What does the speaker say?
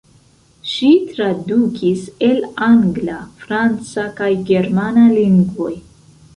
Ŝi tradukis el angla, franca kaj germana lingvoj.